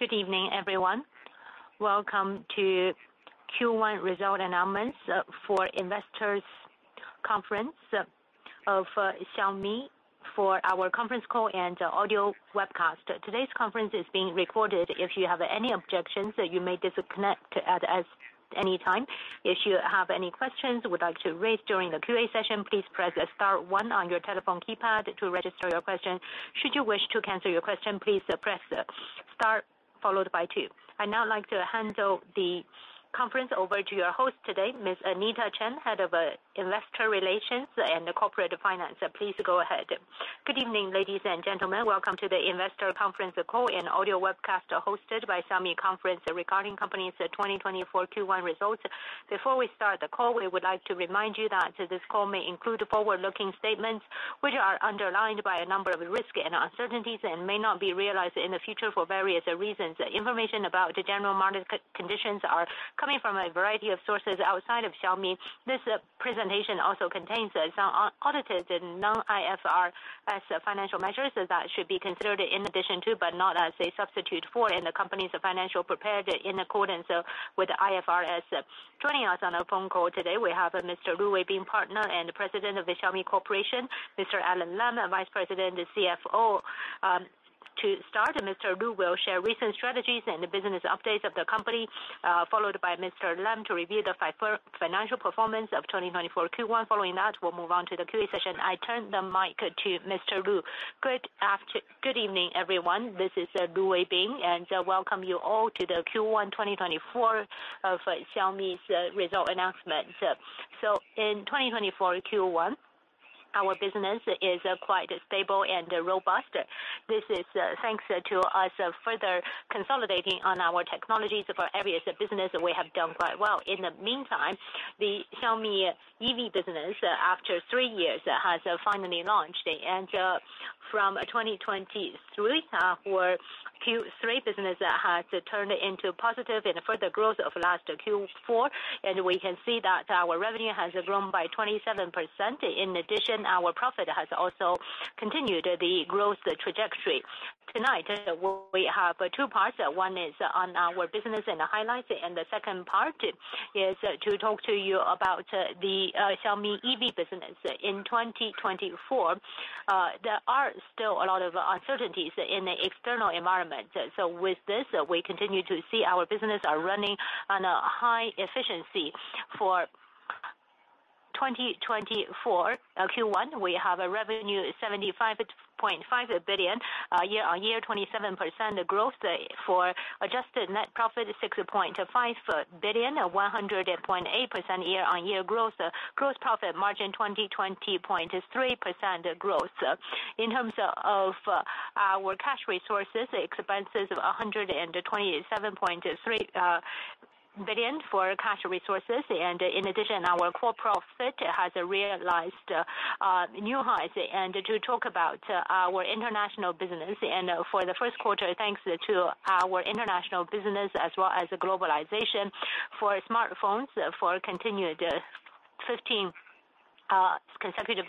Good evening, everyone. Welcome to Q1 results announcement for investors conference of Xiaomi for our conference call and audio webcast. Today's conference is being recorded. If you have any objections, you may disconnect at any time. If you have any questions you would like to raise during the Q&A session, please press star one on your telephone keypad to register your question. Should you wish to cancel your question, please press star followed by two. I'd now like to hand the conference over to your host today, Ms. Anita Chen, Head of Investor Relations and Corporate Finance. Please go ahead. Good evening, ladies and gentlemen. Welcome to the investor conference call and audio webcast, hosted by Xiaomi Corporation regarding company's 2024 Q1 results. Before we start the call, we would like to remind you that this call may include forward-looking statements, which are underlined by a number of risks and uncertainties and may not be realized in the future for various reasons. Information about the general market conditions are coming from a variety of sources outside of Xiaomi. This presentation also contains some audited non-IFRS financial measures that should be considered in addition to, but not as a substitute for, and the company's financial prepared in accordance with the IFRS. Joining us on our phone call today, we have Mr. Lu Weibing, Partner and President of the Xiaomi Corporation, Mr. Alain Lam, Vice President and CFO. To start, Mr. Lei will share recent strategies and the business updates of the company, followed by Mr. Lam to review the financial performance of 2024 Q1. Following that, we'll move on to the Q&A session. I turn the mic to Mr. Lei. Good evening, everyone. This is Lei Jun, and welcome you all to the Q1 2024 of Xiaomi's result announcement. So in 2024 Q1, our business is quite stable and robust. This is thanks to us further consolidating on our technologies of our areas of business, we have done quite well. In the meantime, the Xiaomi EV business, after three years, has finally launched. And from 2023, our Q3 business has turned into positive and further growth of last Q4, and we can see that our revenue has grown by 27%. In addition, our profit has also continued the growth trajectory. Tonight, we have two parts. One is on our business and the highlights, and the second part is to talk to you about the Xiaomi EV business. In 2024, there are still a lot of uncertainties in the external environment. So with this, we continue to see our business are running on a high efficiency. For 2024, Q1, we have a revenue of 75.5 billion, year-on-year 27% growth. For adjusted net profit, 6.5 billion, a 100.8% year-on-year growth. Gross profit margin, 20.3% growth. In terms of our cash resources, cash and cash equivalents of CNY 127.3 billion. And in addition, our core profit has realized new highs. To talk about our international business, and for the first quarter, thanks to our international business as well as the globalization for smartphones, for continued 15 consecutive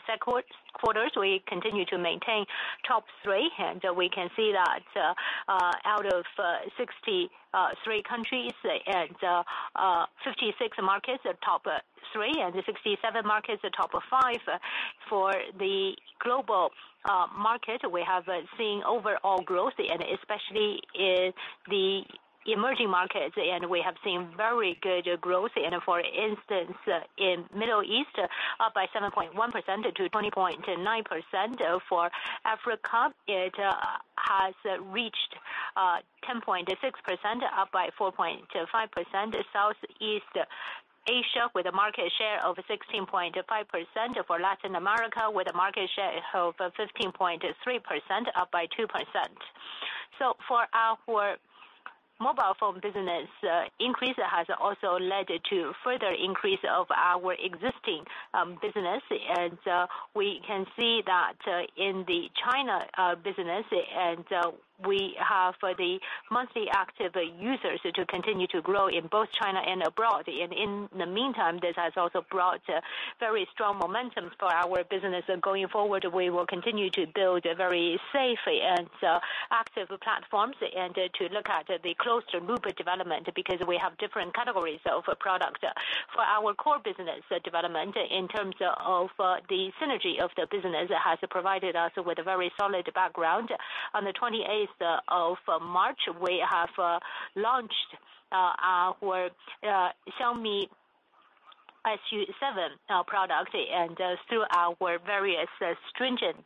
quarters, we continue to maintain top 3. We can see that, out of 63 countries and 56 markets, top three, and 67 markets, top five. For the global market, we have seen overall growth and especially in the emerging markets, and we have seen very good growth. For instance, in Middle East, up by 7.1% to 20.9%. For Africa, it has reached 10.6%, up by 4.5%. Southeast Asia, with a market share of 16.5%. For Latin America, with a market share of 15.3%, up by 2%. So for our mobile phone business, increase has also led to further increase of our existing business. We can see that in the China business, and we have the monthly active users to continue to grow in both China and abroad. In the meantime, this has also brought a very strong momentum for our business. Going forward, we will continue to build a very safe and active platforms and to look at the closed-loop development, because we have different categories of product. For our core business development, in terms of the synergy of the business, has provided us with a very solid background. On the 28th of March, we have launched our Xiaomi SU7 product and through our various stringent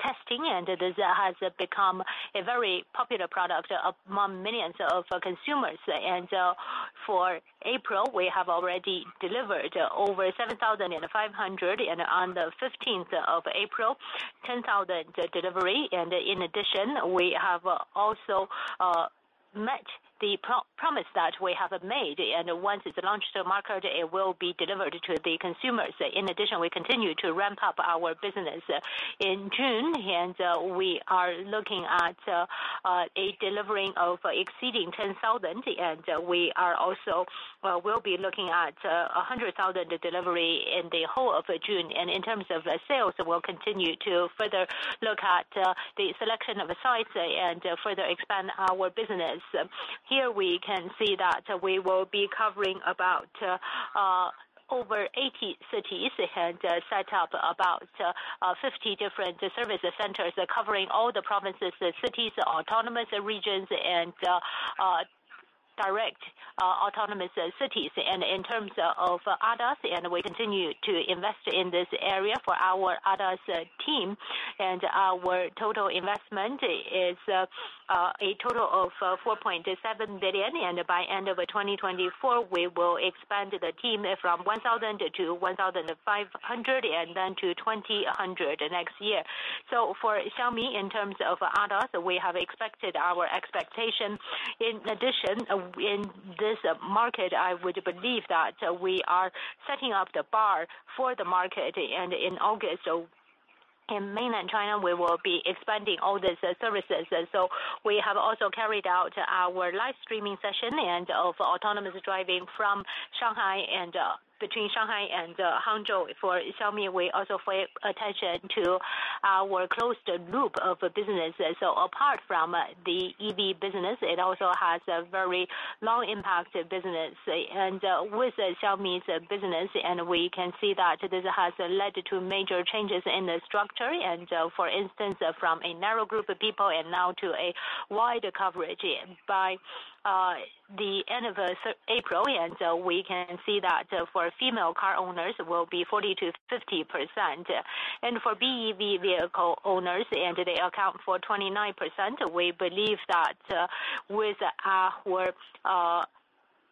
testing, and it has become a very popular product among millions of consumers. For April, we have already delivered over 7,500, and on the 15th of April, 10,000 delivery. In addition, we have also met the promise that we have made, and once it's launched to market, it will be delivered to the consumers. In addition, we continue to ramp up our business in June, and we are looking at a delivering of exceeding 10,000, and we are also will be looking at a 100,000 delivery in the whole of June. In terms of sales, we'll continue to further look at the selection of sites and further expand our business. Here we can see that we will be covering about over 80 cities, and set up about 50 different service centers covering all the provinces, the cities, autonomous regions, and direct autonomous cities. In terms of ADAS, we continue to invest in this area for our ADAS team, and our total investment is a total of 4.7 billion, and by end of 2024, we will expand the team from 1,000 to 1,500, and then to 2,000 next year. So for Xiaomi, in terms of ADAS, we have expected our expectation. In addition, in this market, I would believe that we are setting the bar for the market, and in August, so in mainland China, we will be expanding all these services. So we have also carried out our live streaming session and of autonomous driving from Shanghai and between Shanghai and Hangzhou. For Xiaomi, we also pay attention to our closed loop of business. So apart from the EV business, it also has a very long impact business, and with Xiaomi's business, and we can see that this has led to major changes in the structure. For instance, from a narrow group of people and now to a wider coverage. By the end of April, we can see that female car owners will be 40%-50%. For BEV vehicle owners, they account for 29%, we believe that with our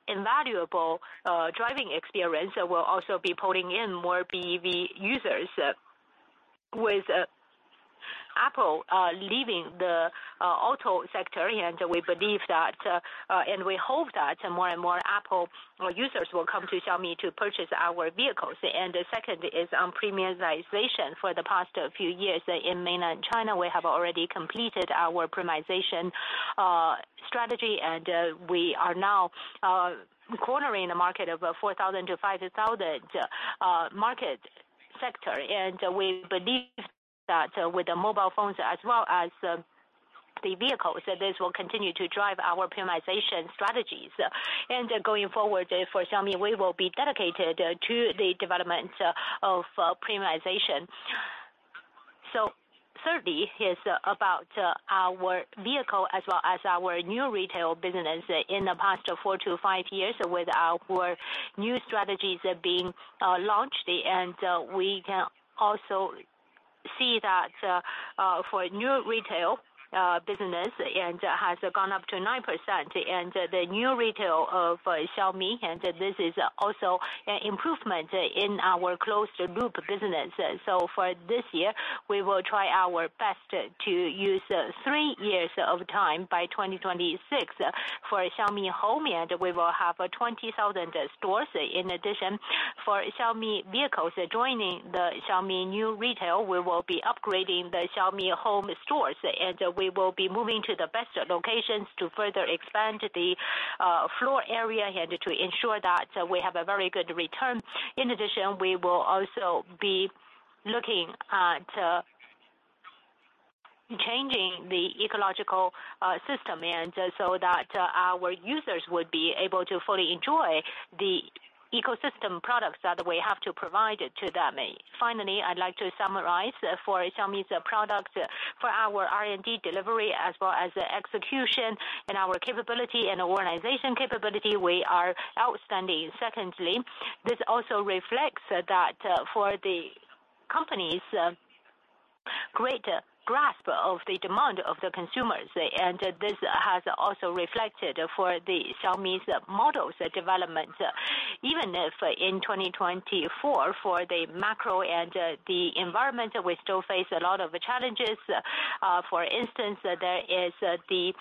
invaluable driving experience, we'll also be pulling in more BEV users. With Apple leaving the auto sector, we believe that and we hope that more and more Apple users will come to Xiaomi to purchase our vehicles. The second is on premiumization. For the past few years in mainland China, we have already completed our premiumization strategy, and we are now cornering the market of 4,000-5,000 market sector. And we believe that with the mobile phones as well as the vehicles, this will continue to drive our premiumization strategies. And going forward, for Xiaomi, we will be dedicated to the development of premiumization. So thirdly is about our vehicle as well as our new retail business. In the past 4-5 years, with our new strategies being launched, and we can also see that for new retail business and has gone up to 9%, and the new retail of Xiaomi, and this is also an improvement in our closed loop business. So for this year, we will try our best to use 3 years of time by 2026 for Xiaomi Home, and we will have 20,000 stores. In addition, for Xiaomi vehicles joining the Xiaomi New Retail, we will be upgrading the Xiaomi Home stores, and we will be moving to the best locations to further expand the floor area and to ensure that we have a very good return. In addition, we will also be looking at changing the ecosystem and so that our users would be able to fully enjoy the ecosystem products that we have to provide to them. Finally, I'd like to summarize for Xiaomi's product, for our R&D delivery, as well as the execution and our capability and organization capability, we are outstanding. Secondly, this also reflects that, for the company's great grasp of the demand of the consumers, and this has also reflected for the Xiaomi's models development. Even if in 2024, for the macro and the environment, we still face a lot of challenges. For instance, there is the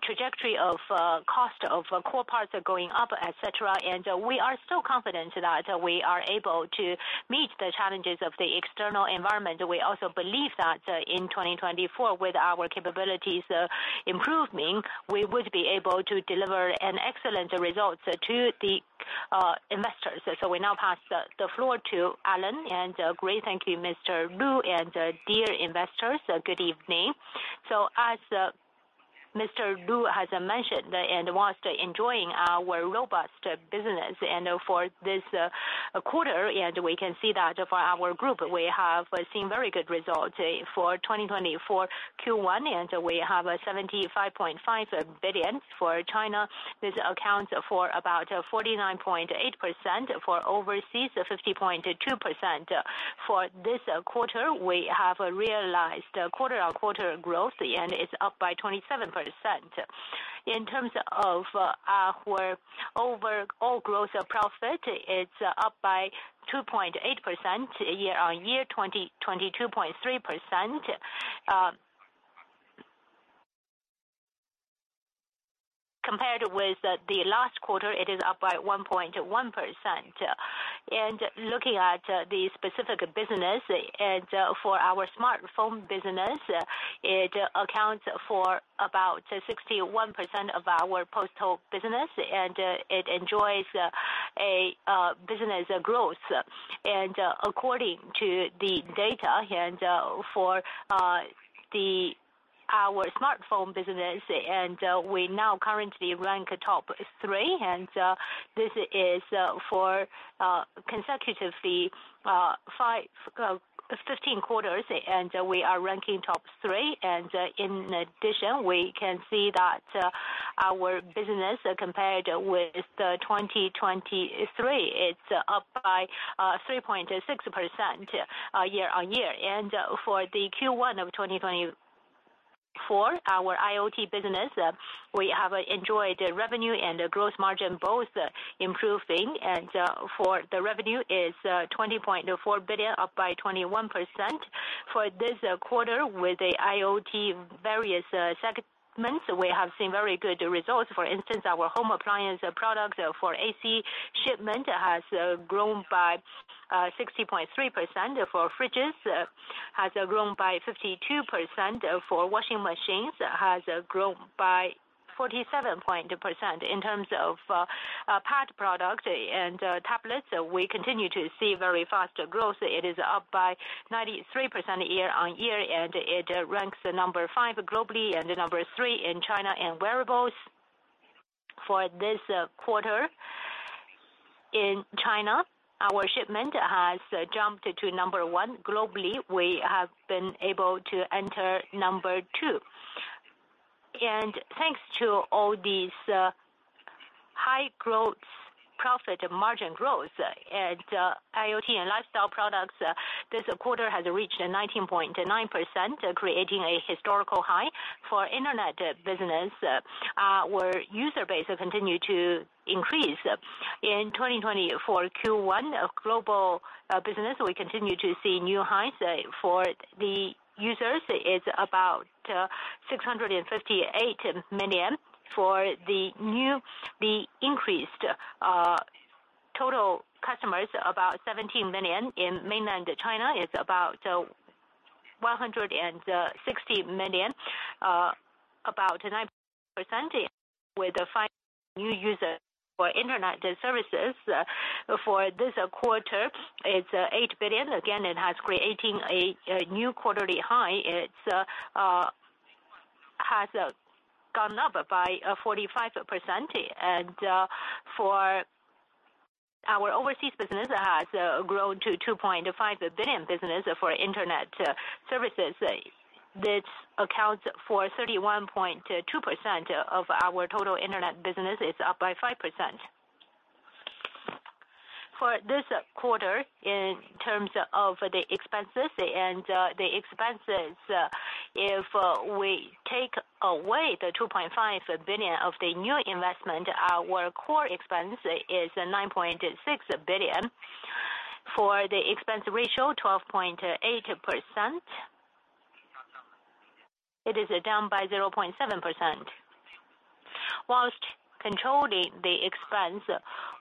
trajectory of cost of core parts are going up, et cetera. And we are still confident that we are able to meet the challenges of the external environment. We also believe that, in 2024, with our capabilities improving, we would be able to deliver an excellent results to the investors. So we now pass the floor to Alain. And great thank you, Mr. Lu, and dear investors, good evening. So as, Mr. Lu has mentioned, and while enjoying our robust business, and for this quarter, and we can see that for our group, we have seen very good results for 2024 Q1, and we have 75.5 billion for China. This accounts for about 49.8%, for overseas, 50.2%. For this quarter, we have realized quarter-on-quarter growth, and it's up by 27%. In terms of our overall gross profit, it's up by 2.8% year-on-year, 22.3%. Compared with the last quarter, it is up by 1.1%. And looking at the specific business, and for our smartphone business, it accounts for about 61% of our total business, and it enjoys a business growth. According to the data, our smartphone business, we now currently rank top 3, and this is for consecutively 15 quarters, and we are ranking top 3. In addition, we can see that our business compared with 2023, it's up by 3.6% year on year. For the Q1 of 2024, our IoT business, we have enjoyed revenue and gross margin both improving. The revenue is 20.4 billion, up by 21%. For this quarter, with the IoT various segments, we have seen very good results. For instance, our home appliance products for AC shipment has grown by 60.3%. For fridges, has grown by 52%. For washing machines, has grown by 47%. In terms of pad product and tablets, we continue to see very fast growth. It is up by 93% year-on-year, and it ranks number five globally and number three in China and wearables. For this quarter, in China, our shipment has jumped to number one. Globally, we have been able to enter number two. And thanks to all these high growth, profit margin growth and IoT and lifestyle products, this quarter has reached 19.9%, creating a historical high for internet business, where user base continue to increase. In 2024 Q1, global business, we continue to see new highs. For the users, it's about 658 million. For the new, the increased total customers, about 17 million. In mainland China, it's about 160 million, about 9% with the 5 new user for internet services. For this quarter, it's 8 billion. Again, it has creating a new quarterly high. It's has gone up by 45%. For our overseas business has grown to 2.5 billion business for internet services. This accounts for 31.2% of our total internet business, is up by 5%. For this quarter, in terms of the expenses, and the expenses, if we take away the 2.5 billion of the new investment, our core expense is 9.6 billion. For the expense ratio, 12.8%. It is down by 0.7%. While controlling the expense,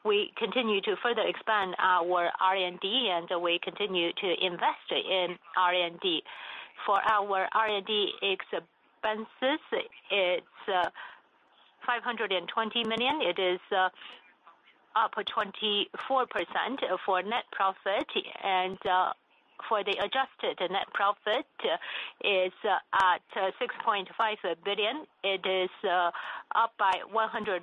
we continue to further expand our R&D, and we continue to invest in R&D. For our R&D expenses, it's 520 million. It is up 24% for net profit. And, for the adjusted net profit is at 6.5 billion, it is up by 100%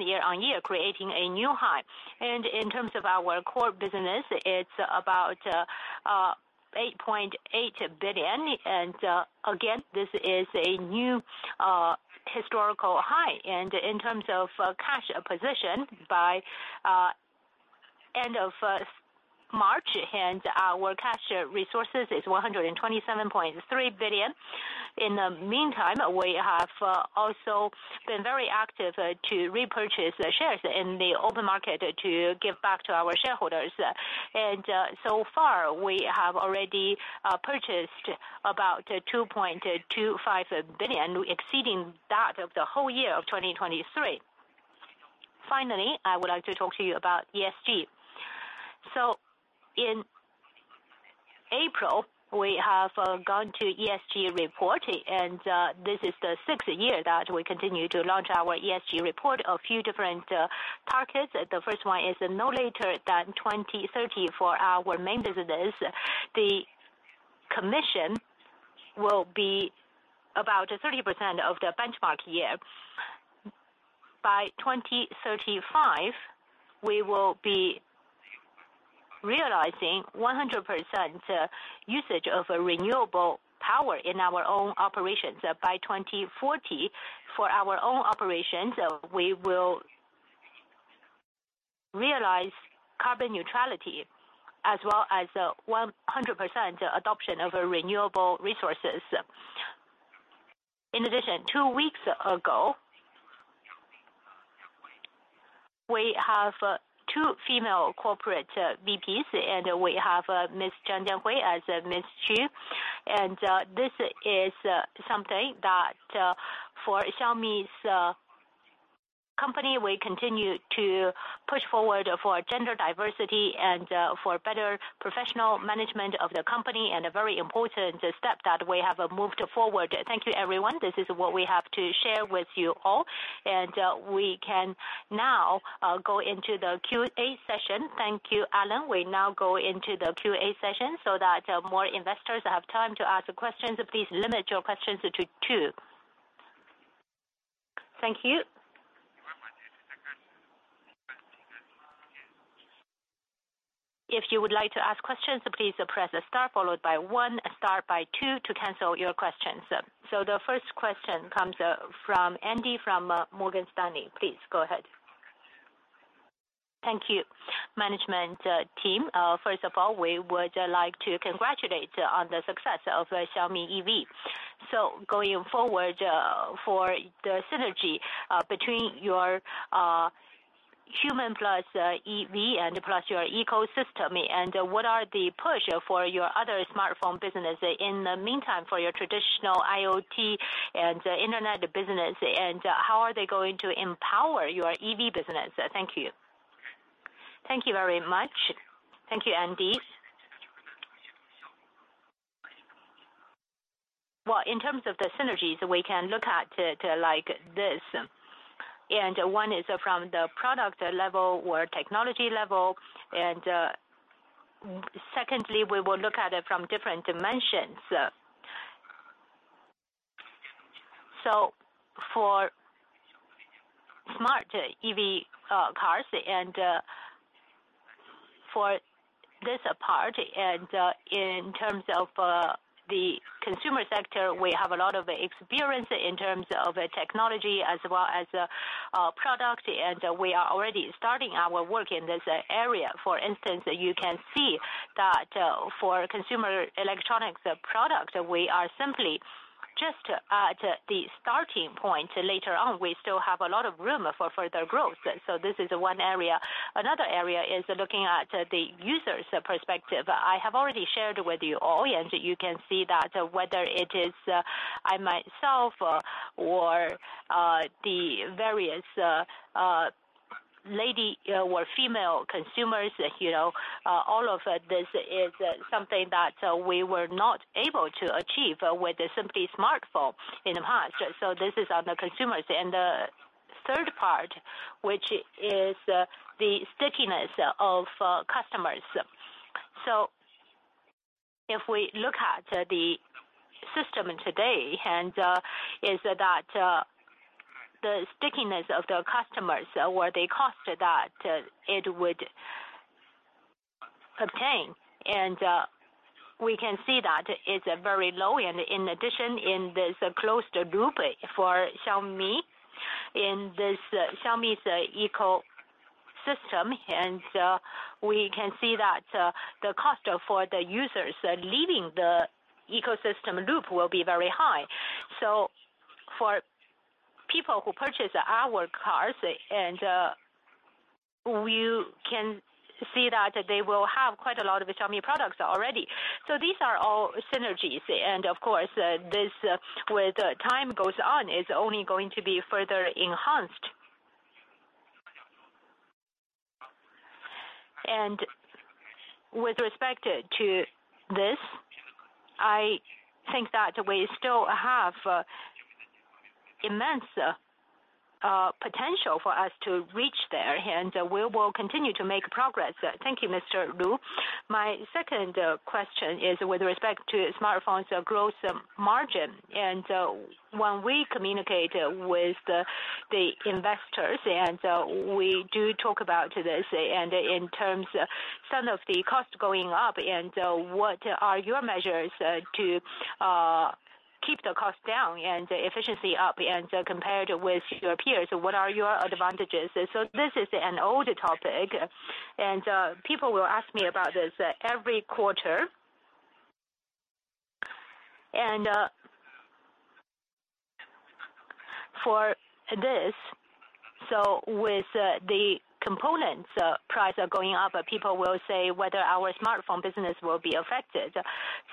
year-on-year, creating a new high. And in terms of our core business, it's about 8.8 billion. And, again, this is a new historical high. And in terms of cash position, by end of March, and our cash resources is 127.3 billion. In the meantime, we have also been very active to repurchase the shares in the open market to give back to our shareholders. So far, we have already purchased about 2.25 billion, exceeding that of the whole year of 2023. Finally, I would like to talk to you about ESG. In April, we have gone to ESG report, and this is the sixth year that we continue to launch our ESG report, a few different targets. The first one is no later than 2030 for our main businesses. The commission will be about 30% of the benchmark year. By 2035, we will be realizing 100% usage of a renewable power in our own operations. By 2040, for our own operations, we will realize carbon neutrality as well as 100% adoption of a renewable resources. In addition, two weeks ago, we have two female corporate VPs, and we have Ms. Zhang Jianhui as Ms. Xu. This is something that for Xiaomi's company, we continue to push forward for gender diversity and for better professional management of the company, and a very important step that we have moved forward. Thank you, everyone. This is what we have to share with you all. We can now go into the Q&A session. Thank you, Alain. We now go into the Q&A session so that more investors have time to ask questions. Please limit your questions to two. Thank you. If you would like to ask questions, please press star followed by one, star by two to cancel your questions. The first question comes from Andy Meng from Morgan Stanley. Please go ahead. Thank you, management team. First of all, we would like to congratulate on the success of Xiaomi EV. So going forward, for the synergy, between your, human plus, EV and plus your ecosystem, and what are the push for your other smartphone business, in the meantime, for your traditional IoT and internet business, and how are they going to empower your EV business? Thank you. Thank you very much. Thank you, Andy. Well, in terms of the synergies, we can look at it like this, and one is from the product level or technology level, and, secondly, we will look at it from different dimensions. So for smart EV, cars, and, for this part, and, in terms of, the consumer sector, we have a lot of experience in terms of technology as well as, product, and we are already starting our work in this area. For instance, you can see that, for consumer electronics product, we are simply just at the starting point. Later on, we still have a lot of room for further growth. So this is one area. Another area is looking at the user's perspective. I have already shared with you all, and you can see that whether it is, I myself, or, the various, lady or female consumers, you know, all of this is something that we were not able to achieve with simply smartphone in the past. So this is on the consumers. And the third part, which is, the stickiness of, customers. So if we look at the system today, and, is that, the stickiness of the customers or the cost that it would obtain, and, we can see that it's very low. And in addition, in this closed loop for Xiaomi, in this Xiaomi's ecosystem, and we can see that the cost for the users leaving the ecosystem loop will be very high. So for people who purchase our cars, and you can see that they will have quite a lot of Xiaomi products already. So these are all synergies. And of course, this with time goes on, is only going to be further enhanced. And with respect to this, I think that we still have immense potential for us to reach there, and we will continue to make progress. Thank you, Mr. Lu. My second question is with respect to smartphone's gross margin. And, when we communicate with the investors, and we do talk about this, and in terms of some of the costs going up, and what are your measures to keep the cost down and efficiency up? And, compared with your peers, what are your advantages? So this is an old topic, and people will ask me about this every quarter. And, for this, so with the components price going up, people will say whether our smartphone business will be affected.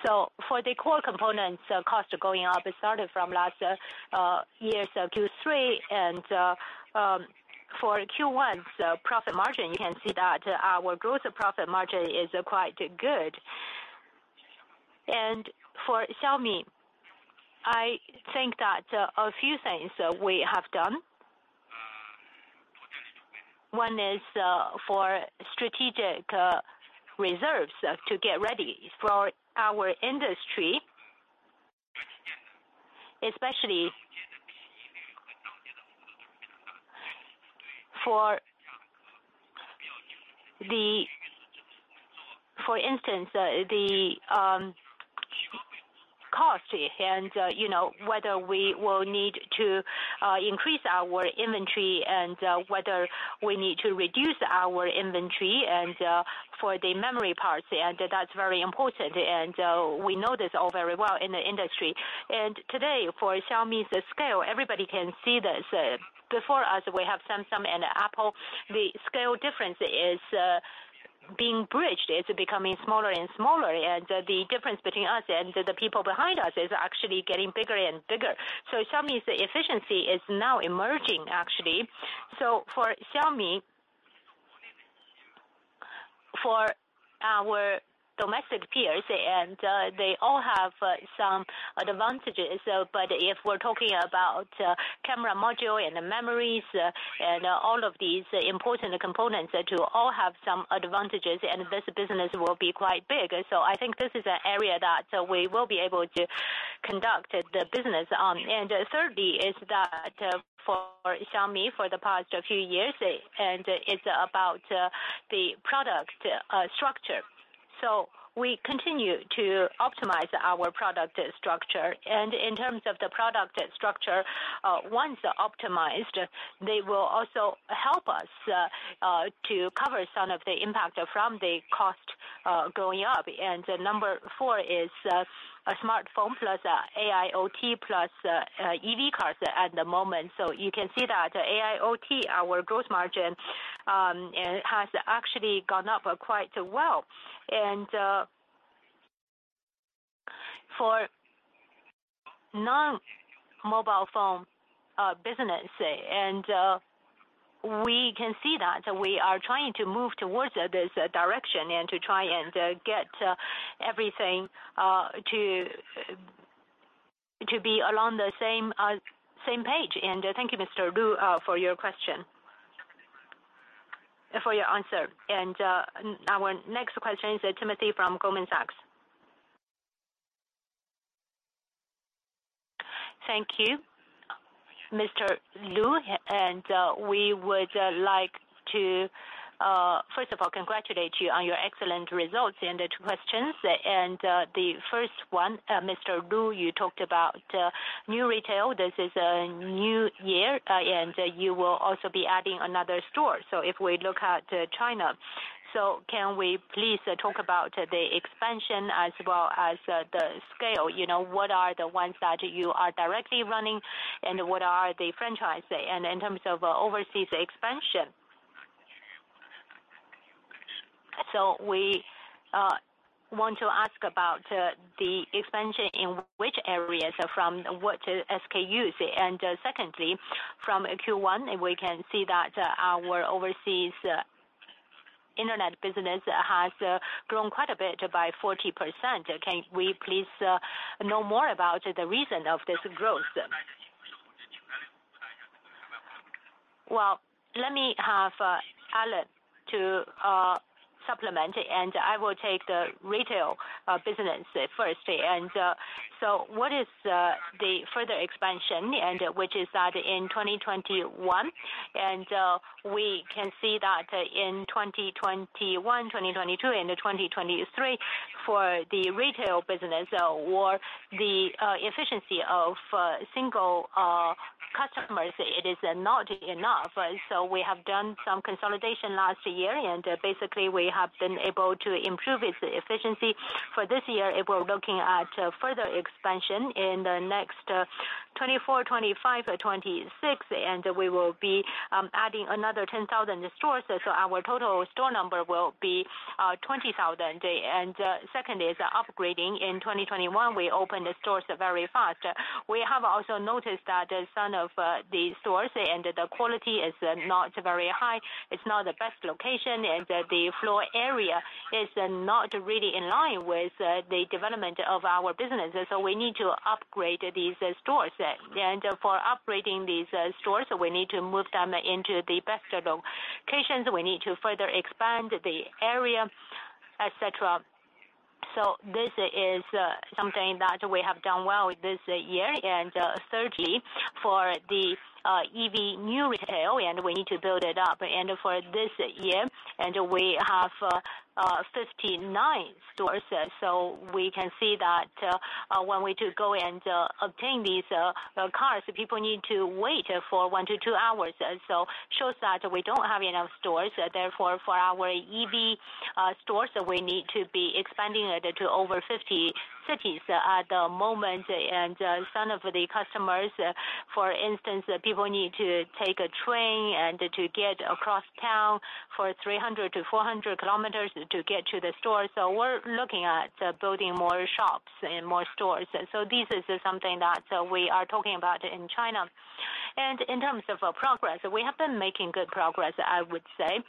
So for the core components, cost going up, it started from last year's Q3, and, for Q1's profit margin, you can see that our growth profit margin is quite good. And for Xiaomi, I think that a few things we have done. One is, for strategic reserves to get ready for our industry, especially for the... For instance, the cost, and, you know, whether we will need to increase our inventory and whether we need to reduce our inventory and for the memory parts, and that's very important, and we know this all very well in the industry. And today, for Xiaomi's scale, everybody can see this. Before us, we have Samsung and Apple. The scale difference is being bridged. It's becoming smaller and smaller, and the difference between us and the people behind us is actually getting bigger and bigger. So Xiaomi's efficiency is now emerging, actually. So for Xiaomi, for our domestic peers, and they all have some advantages, but if we're talking about camera module and memories and all of these important components to all have some advantages, and this business will be quite big. So I think this is an area that we will be able to conduct the business on. And thirdly, is that, for Xiaomi, for the past few years, and it's about the product structure. So we continue to optimize our product structure. And in terms of the product structure, once optimized, they will also help us to cover some of the impact from the cost going up. And number four is a smartphone plus AIoT plus EV cars at the moment. So you can see that AIoT, our gross margin has actually gone up quite well. And for non-mobile phone business, and we can see that we are trying to move towards this direction and to try and get everything to be along the same page. And thank you, Mr. Lu, for your question. For your answer. And, our next question is Timothy from Goldman Sachs. Thank you, Mr. Lu, and, we would like to, first of all congratulate you on your excellent results and the questions. And, the first one, Mr. Lu, you talked about, new retail. This is a new year, and you will also be adding another store. So if we look at China, so can we please talk about the expansion as well as, the scale? You know, what are the ones that you are directly running, and what are the franchisee? And in terms of overseas expansion. So we, want to ask about, the expansion in which areas, from what SKUs? And secondly, from Q1, we can see that our overseas internet business has, grown quite a bit by 40%. Can we please know more about the reason of this growth? Well, let me have Alain to supplement, and I will take the retail business first. So what is the further expansion and which is that in 2021? We can see that in 2021, 2022 and 2023 for the retail business or the efficiency of single customers, it is not enough. So we have done some consolidation last year, and basically, we have been able to improve its efficiency. For this year, we're looking at further expansion in the next 2024, 2025 or 2026, and we will be adding another 10,000 stores. So our total store number will be 20,000. Second is upgrading. In 2021, we opened the stores very fast. We have also noticed that some of the stores and the quality is not very high, it's not the best location, and the floor area is not really in line with the development of our business. So we need to upgrade these stores. And for upgrading these stores, we need to move them into the best locations. We need to further expand the area, et cetera. So this is something that we have done well this year. And thirdly, for the EV New Retail, and we need to build it up. And for this year, and we have 59 stores, so we can see that when we to go and obtain these cars, people need to wait for 1-2 hours. So shows that we don't have enough stores. Therefore, for our EV stores, we need to be expanding it to over 50 cities at the moment. Some of the customers, for instance, people need to take a train and to get across town for 300-400 km to get to the store. We're looking at building more shops and more stores. This is something that we are talking about in China. In terms of progress, we have been making good progress, I would say.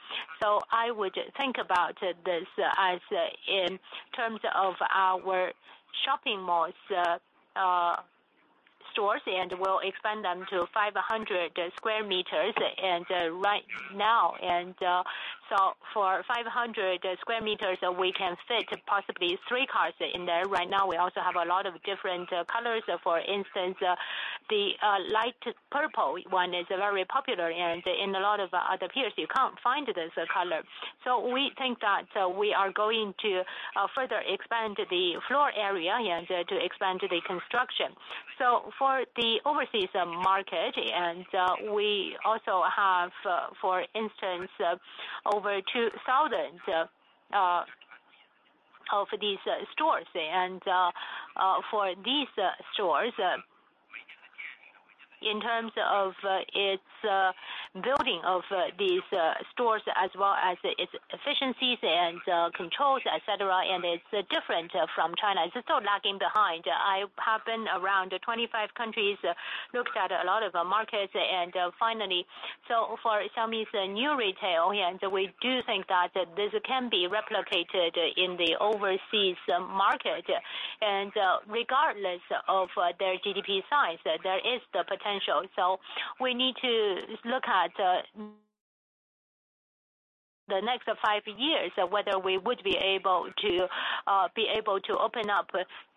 I would think about this as in terms of our shopping malls stores, and we'll expand them to 500 square meters right now. So for 500 square meters, we can fit possibly 3 cars in there. Right now, we also have a lot of different colors. For instance, the light purple one is very popular, and in a lot of other peers, you can't find this color. So we think that we are going to further expand the floor area and to expand the construction. So for the overseas market, and we also have, for instance, over 2000 of these stores. And for these stores, in terms of its building of these stores, as well as its efficiencies and controls, et cetera, and it's different from China. It's still lagging behind. I have been around 25 countries, looked at a lot of markets and finally, so for Xiaomi's new retail, and we do think that this can be replicated in the overseas market. And regardless of their GDP size, there is the potential. So we need to look at the next five years, whether we would be able to open up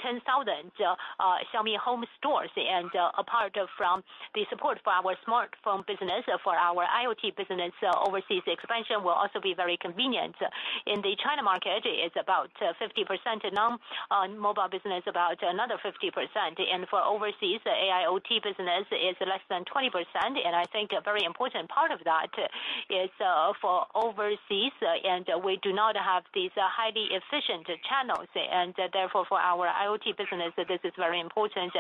10,000 Xiaomi Home stores. Apart from the support for our smartphone business, for our IoT business, overseas expansion will also be very convenient. In the China market, it's about 50% now, on mobile business, about another 50%. For overseas, AIoT business is less than 20%, and I think a very important part of that is for overseas, and we do not have these highly efficient channels. Therefore, for our IoT business, this is very important.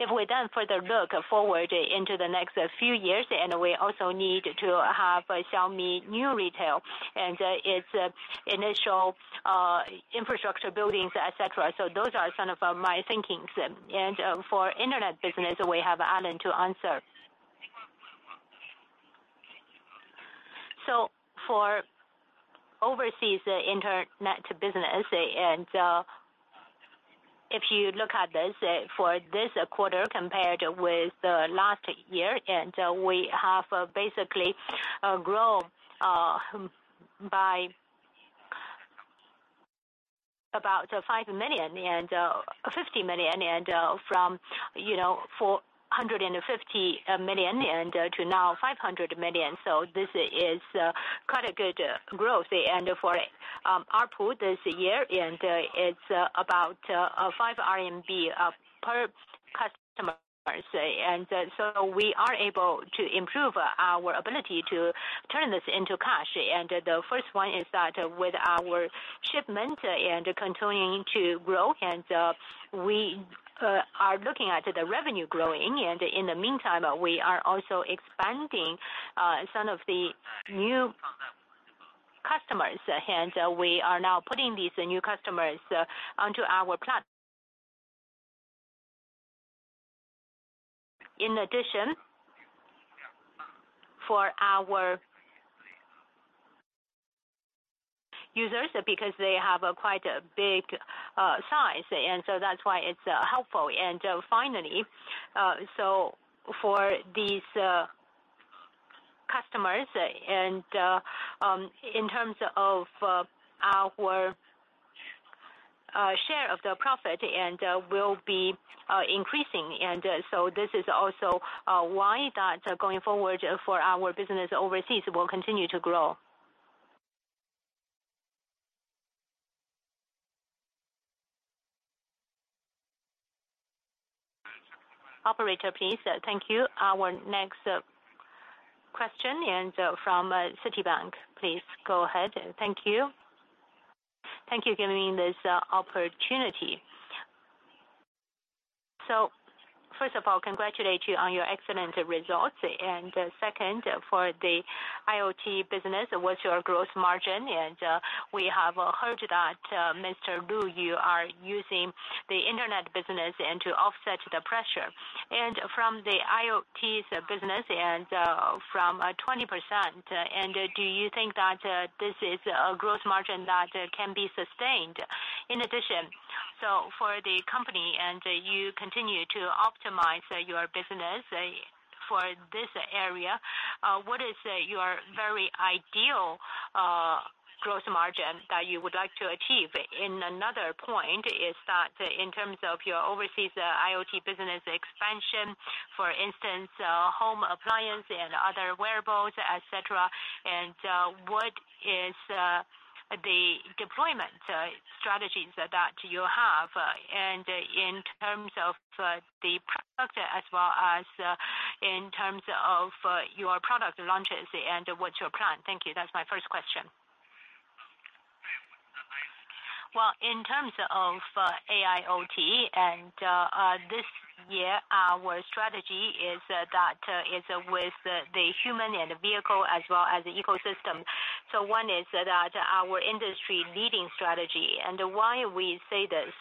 If we then further look forward into the next few years, we also need to have a Xiaomi New Retail, and its initial infrastructure, buildings, et cetera. So those are some of my thinkings. For internet business, we have Alain to answer. For overseas internet business, if you look at this, for this quarter compared with last year, we have basically grown by about 50 million from, you know, 450 million to now 500 million. This is quite a good growth. For ARPU this year, it is about CNY 5 per customer. We are able to improve our ability to turn this into cash. The first one is that with our shipment and continuing to grow, and we are looking at the revenue growing, and in the meantime, we are also expanding some of the new customers, and we are now putting these new customers onto our plat- In addition, for our users, because they have a quite a big size, and so that's why it's helpful. And finally, so for these customers and, in terms of our share of the profit and will be increasing. And so this is also why that going forward for our business overseas will continue to grow. Operator, please. Thank you. Our next question and from Citi. Please go ahead. Thank you. Thank you for giving me this opportunity. So first of all, congratulate you on your excellent results. Second, for the IoT business, what's your gross margin? And we have heard that, Mr. Lu, you are using the internet business and to offset the pressure. And from the IoT's business and from 20%, and do you think that this is a gross margin that can be sustained? In addition, so for the company and you continue to optimize your business, for this area, what is your very ideal gross margin that you would like to achieve? And another point is that in terms of your overseas IoT business expansion, for instance, home appliance and other wearables, et cetera, and what is the deployment strategies that you have, and in terms of the product as well as in terms of your product launches and what's your plan? Thank you. That's my first question. Well, in terms of AIoT and this year, our strategy is that is with the human and the vehicle as well as the ecosystem. So one is that our industry leading strategy and why we say this,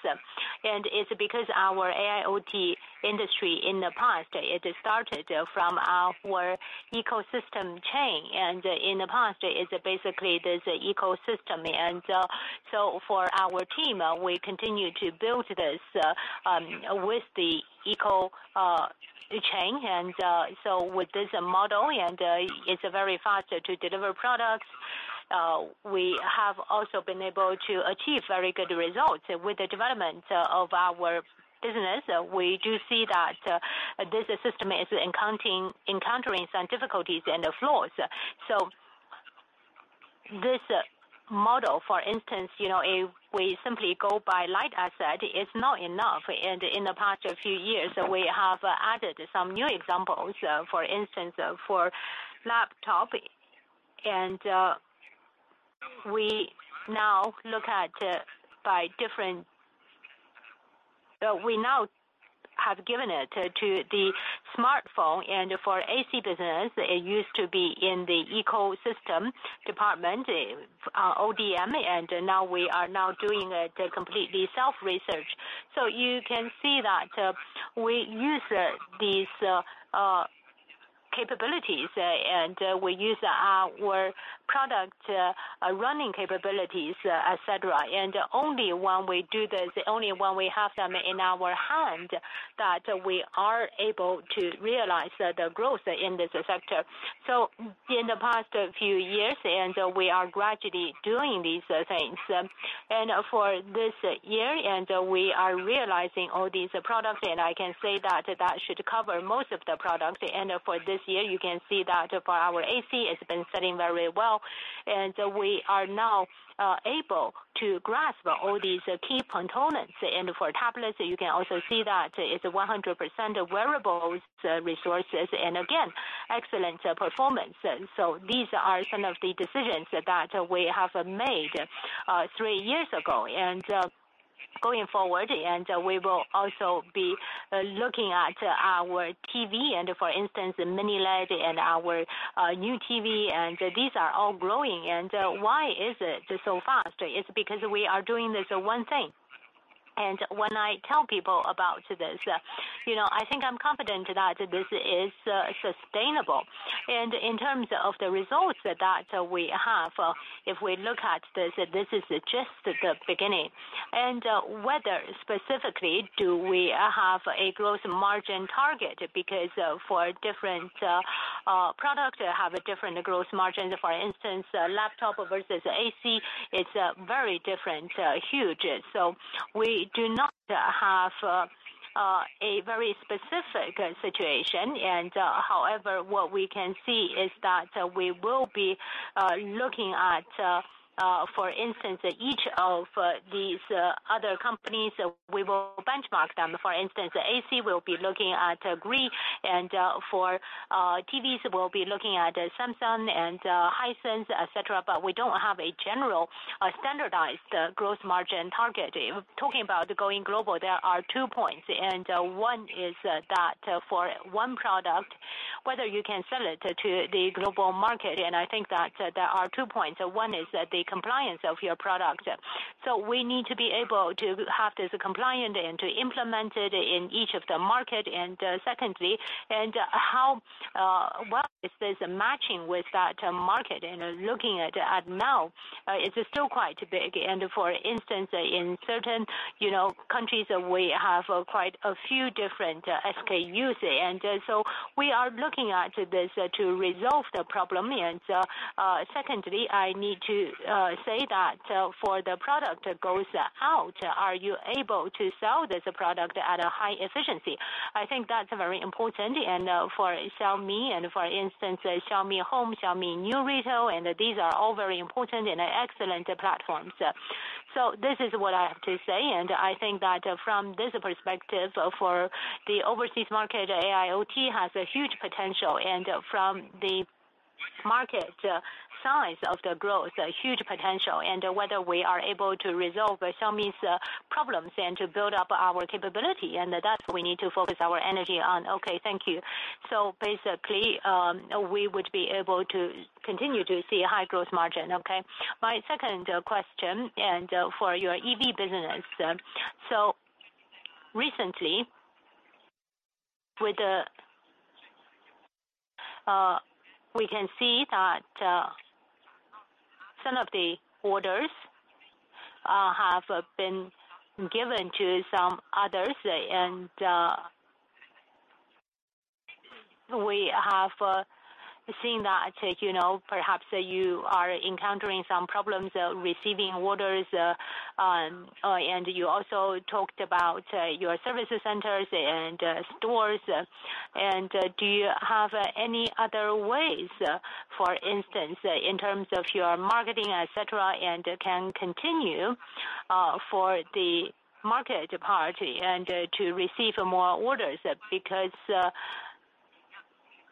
and it's because our AIoT industry in the past, it started from our ecosystem chain, and in the past, it's basically this ecosystem. And so for our team, we continue to build this with the eco chain. And so with this model, and it's very faster to deliver products. We have also been able to achieve very good results. With the development of our business, we do see that this system is encountering some difficulties and flaws. So this model, for instance, you know, if we simply go by light asset, it's not enough. In the past few years, we have added some new examples, for instance, for laptop, and we now have given it to the smartphone and for AC business, it used to be in the ecosystem department, ODM, and now we are now doing it completely self-research. So you can see that, we use these capabilities, and we use our product running capabilities, et cetera. And only when we do this, only when we have them in our hand, that we are able to realize the growth in this sector. So in the past few years, we are gradually doing these things. And for this year, we are realizing all these products, and I can say that, that should cover most of the products. And for this year, you can see that for our AC, it's been selling very well, and we are now able to grasp all these key components. And for tablets, you can also see that it's 100% wearables resources, and again, excellent performance. So these are some of the decisions that we have made three years ago. And going forward, and we will also be looking at our TV and for instance, Mini LED and our new TV, and these are all growing. And why is it so fast? It's because we are doing this one thing. And when I tell people about this, you know, I think I'm confident that this is sustainable. And in terms of the results that we have, if we look at this, this is just the beginning. Whether specifically do we have a gross margin target? Because for different products have a different gross margin. For instance, laptop versus AC, it's a very different huge. So we do not have a very specific situation. However, what we can see is that we will be looking at, for instance, each of these other companies, we will benchmark them. For instance, AC will be looking at Gree, and for TVs, we'll be looking at Samsung and Hisense, et cetera, but we don't have a general standardized gross margin target. Talking about going global, there are two points, and one is that for one product, whether you can sell it to the global market, and I think that there are two points. One is the compliance of your product. So we need to be able to have this compliant and to implement it in each of the market. And secondly, and how well is this matching with that market? And looking at, at now, it's still quite big. And for instance, in certain, you know, countries, we have quite a few different SKUs. And so we are looking at this to resolve the problem. And, secondly, I need to, say that for the product goes out, are you able to sell this product at a high efficiency? I think that's very important. And, for Xiaomi and for instance, Xiaomi Home, Xiaomi New Retail, and these are all very important and excellent platforms. So this is what I have to say, and I think that from this perspective, for the overseas market, AIoT has a huge potential, and from the market size of the growth, a huge potential, and whether we are able to resolve Xiaomi's problems and to build up our capability, and that's what we need to focus our energy on. Okay, thank you. So basically, we would be able to continue to see high gross margin. Okay. My second question, and for your EV business. So recently, with the, we can see that, some of the orders, have been given to some others, and, we have, seen that, you know, perhaps you are encountering some problems, receiving orders, and you also talked about, your service centers and, stores. Do you have any other ways, for instance, in terms of your marketing, et cetera, and can continue, for the market party and, to receive more orders? Because,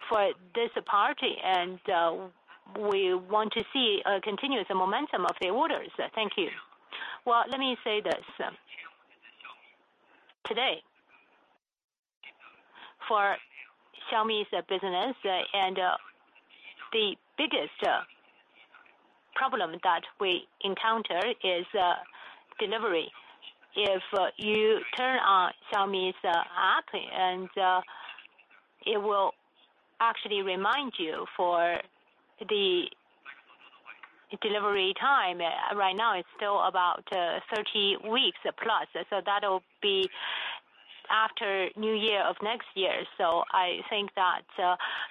for this party, and, we want to see a continuous momentum of the orders. Thank you. Well, let me say this. Today, for Xiaomi's business, the biggest problem that we encounter is delivery. If you turn on Xiaomi's app, it will actually remind you for the delivery time. Right now, it's still about 30 weeks plus, so that'll be after New Year of next year. So I think that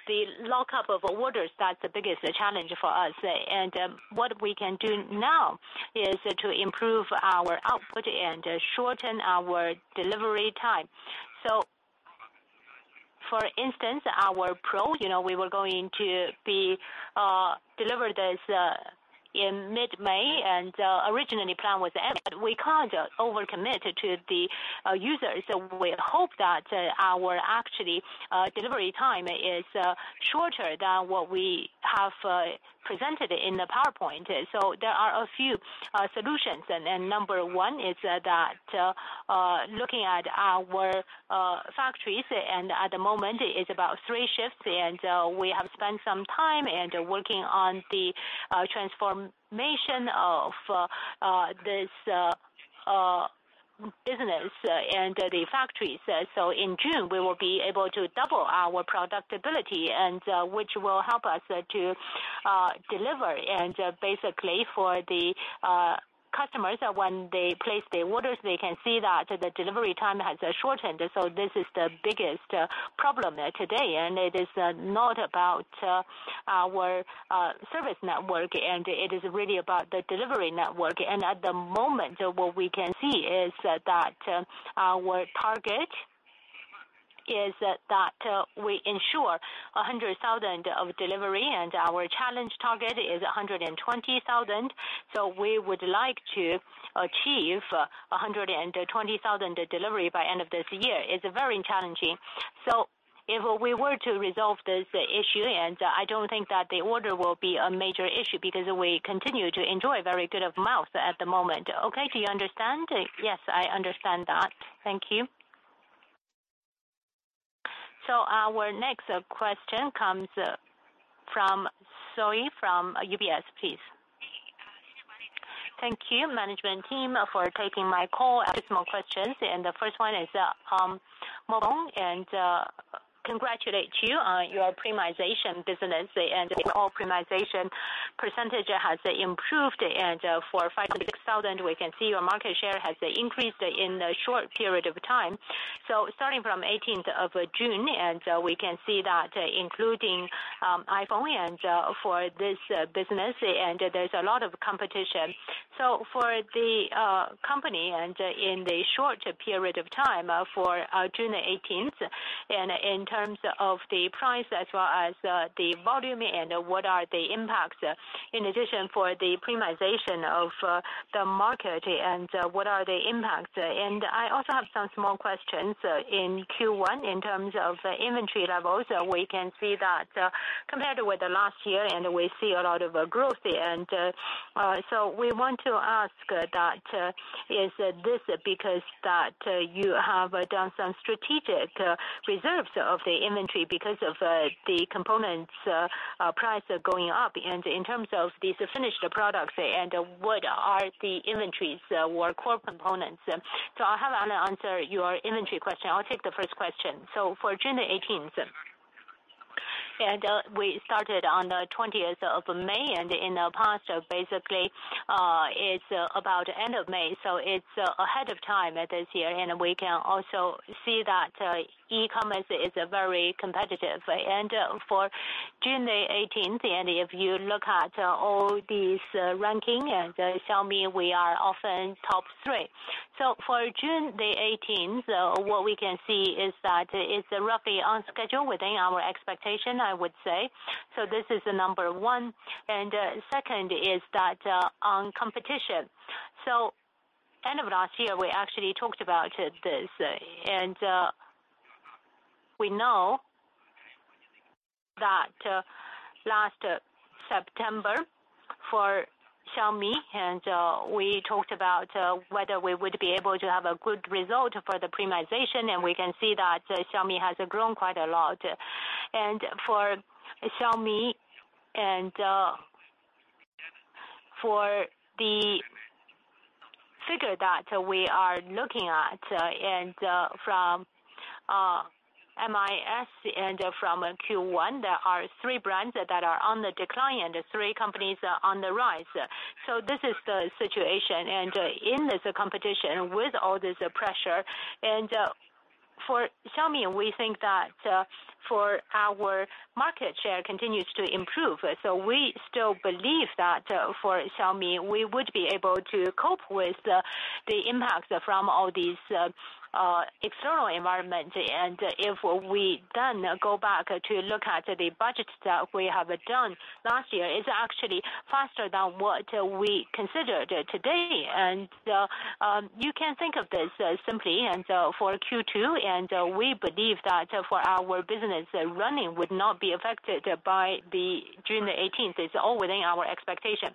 the lock up of orders, that's the biggest challenge for us. And, what we can do now is to improve our output and shorten our delivery time. So for instance, our Pro, you know, we were going to be delivered as in mid-May, and originally planned was April, but we can't over commit to the users. We hope that our actually delivery time is shorter than what we have presented in the PowerPoint. So there are a few solutions, and number one is that looking at our factories, and at the moment it's about three shifts, and we have spent some time and working on the transformation of this business and the factories. So in June, we will be able to double our product ability, and which will help us to deliver. And basically, for the customers, when they place their orders, they can see that the delivery time has shortened. So this is the biggest problem today, and it is not about our service network, and it is really about the delivery network. And at the moment, what we can see is that our target is that we ensure 100,000 of delivery, and our challenge target is 120,000. So we would like to achieve 120,000 delivery by end of this year. It's very challenging. So if we were to resolve this issue, and I don't think that the order will be a major issue because we continue to enjoy very good word of mouth at the moment. Okay. Do you understand? Yes, I understand that. Thank you. So our next question comes from Zoe from UBS, please. Thank you, management team for taking my call. I have small questions, and the first one is, mobile, and, congratulate you on your premiumization business, and the core premiumization percentage has improved, and for 5,000-6,000, we can see your market share has increased in a short period of time. So starting from 18th of June, and we can see that including, iPhone and for this business, and there's a lot of competition. So for the, company and in the short period of time for June 18th, and in terms of the price as well as the volume and what are the impacts, in addition for the premiumization of the market, and what are the impacts? And I also have some small questions. In Q1, in terms of inventory levels, we can see that, compared with the last year, and we see a lot of growth. So we want to ask that, is this because that you have done some strategic reserves of the inventory because of the components price going up? And in terms of these finished products, and what are the inventories or core components? So I'll have Anita answer your inventory question. I'll take the first question. So for June 18th, and we started on the twentieth of May, and in the past, basically, it's about end of May, so it's ahead of time this year, and we can also see that e-commerce is very competitive. And for June the 18th, and if you look at all these ranking and Xiaomi, we are often top three. So for June the 18th, what we can see is that it's roughly on schedule within our expectation, I would say. So this is number one, and second is that, on competition. So end of last year, we actually talked about this, and, we know that, last September for Xiaomi, and, we talked about, whether we would be able to have a good result for the premiumization, and we can see that Xiaomi has grown quite a lot. And for Xiaomi and, for the figure that we are looking at, and, from, MI's and from Q1, there are three brands that are on the decline and three companies are on the rise. So this is the situation, and in this competition, with all this pressure, and, for Xiaomi, we think that, for our market share continues to improve. So we still believe that for Xiaomi, we would be able to cope with the, the impacts from all these, external environment. If we then go back to look at the budgets that we have done last year, it's actually faster than what we considered today. You can think of this simply, and so for Q2, and we believe that for our business, running would not be affected by the June the 18th. It's all within our expectation.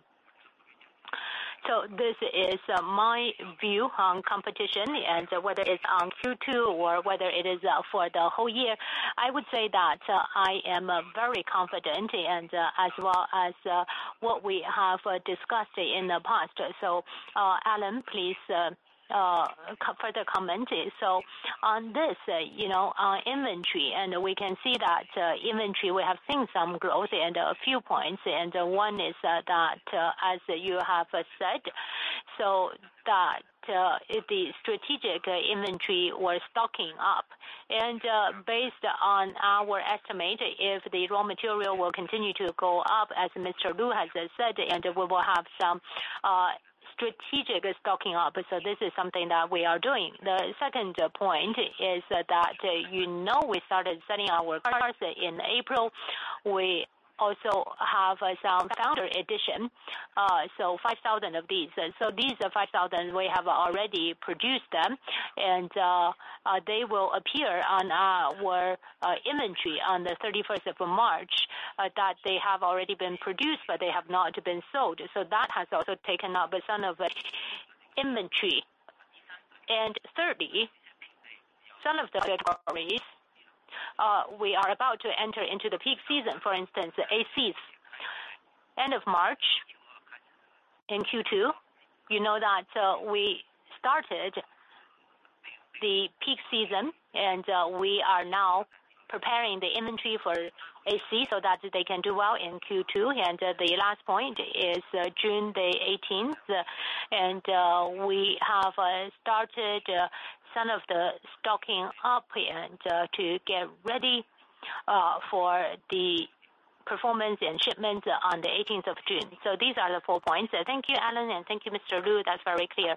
This is my view on competition, and whether it's on Q2 or whether it is for the whole year, I would say that I am very confident and, as well as, what we have discussed in the past. Alain, please, further comment. On this, you know, our inventory, and we can see that inventory, we have seen some growth and a few points, and one is that, as you have said, so that, the strategic inventory was stocking up. And based on our estimate, if the raw material will continue to go up, as Mr. Lu has said, and we will have some strategic stocking up. So this is something that we are doing. The second point is that, you know, we started selling our cars in April. We also have some Founders Edition, so 5,000 of these. So these 5,000, we have already produced them, and they will appear on our inventory on the 31st of March, that they have already been produced, but they have not been sold. So that has also taken up some of the inventory. And thirdly, some of the categories, we are about to enter into the peak season. For instance, the ACs, end of March in Q2, you know that, we started the peak season, and, we are now preparing the inventory for AC so that they can do well in Q2. And the last point is, June the 18th, and, we have, started, some of the stocking up and, to get ready, for the performance and shipment on the 18th of June. So these are the four points. Thank you, Alain, and thank you, Mr. Lu. That's very clear.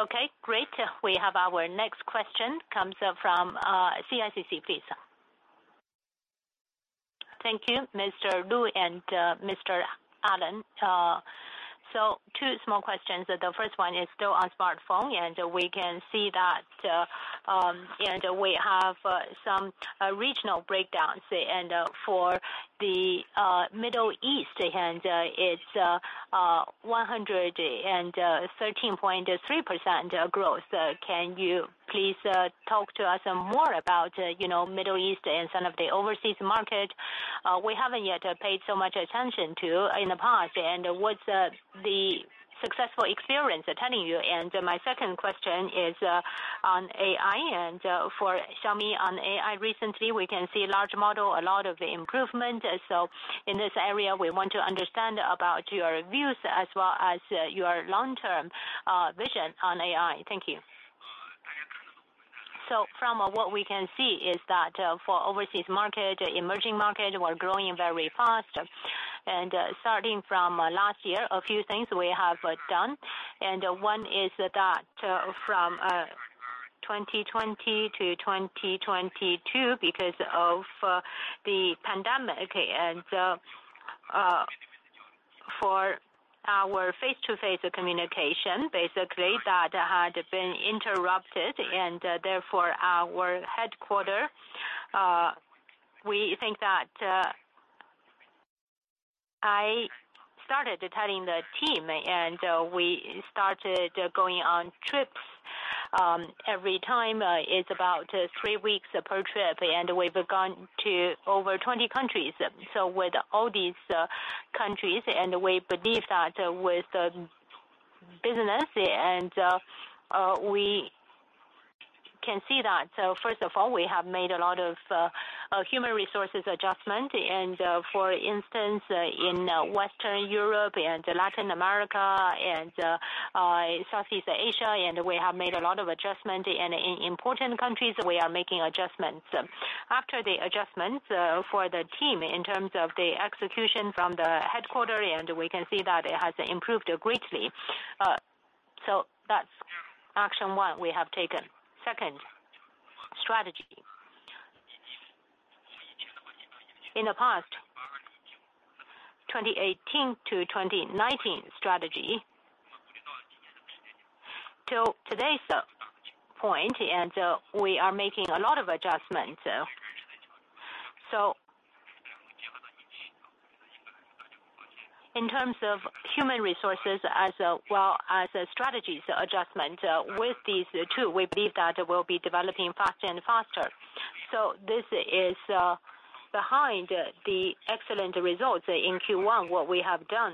Okay, great. We have our next question comes from, CICC, please. Thank you, Mr. Lu and, Mr. Alain. So two small questions. The first one is still on smartphone, and we can see that, and we have some regional breakdowns, and, for the, Middle East, and, it's, 113.3% growth. Can you please talk to us more about, you know, Middle East and some of the overseas market? We haven't yet paid so much attention to in the past, and what's the, the successful experience telling you? And my second question is, on AI and, for Xiaomi on AI. Recently, we can see large model, a lot of improvement. So in this area, we want to understand about your views as well as, your long-term, vision on AI. Thank you. So from what we can see is that, for overseas market, emerging market, we're growing very fast. Starting from last year, a few things we have done, and one is that from 2020 to 2022, because of the pandemic, and for our face-to-face communication, basically, that had been interrupted, and therefore, our headquarters, we think that... I started telling the team, and we started going on trips. Every time, it's about three weeks per trip, and we've gone to over 20 countries. So with all these countries, and we believe that with the business, and we can see that. So first of all, we have made a lot of human resources adjustment. And for instance, in Western Europe and Latin America and Southeast Asia, and we have made a lot of adjustment. In important countries, we are making adjustments. After the adjustments, for the team, in terms of the execution from the headquarters, and we can see that it has improved greatly. So that's action one we have taken. Second, strategy. In the past, 2018 to 2019 strategy, till today's point, and we are making a lot of adjustments. So in terms of human resources, as well as strategies adjustment, with these two, we believe that we'll be developing faster and faster. So this is behind the excellent results in Q1, what we have done.